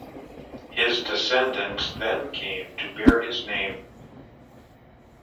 His descendants then came to bear his name.